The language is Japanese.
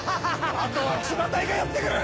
あとは騎馬隊がやってくれる！